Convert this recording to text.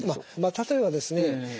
例えばですね